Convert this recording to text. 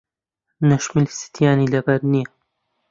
نەشمیل ستیانی لەبەر نییە.